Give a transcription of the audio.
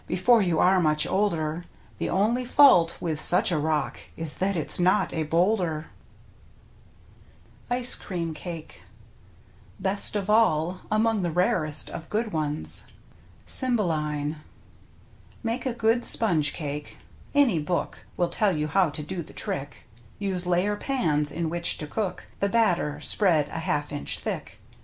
Before you are much older. The only fault with such a rock Is that it's not a boulder. r^i 36 ^ 2/ utiffm^ti Mtttiptu \rL ICE CREAM CAKE Best of all Among the rarest of good ones. — Cymheline. Make a good sponge cake (any book Will tell you how to do the trick), Use layer pans in which to cook The batter, spread a half inch thick.